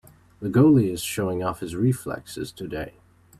The goalie is showing off his reflexes today.